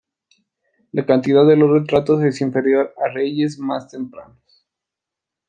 La calidad de los retratos es inferior a reyes más tempranos.